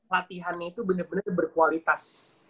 latihannya itu benar benar berkualitas